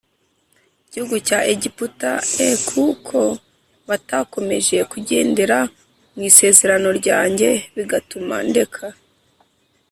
gihugu cya Egiputa e kuko batakomeje kugendera mu isezerano ryanjye bigatuma ndeka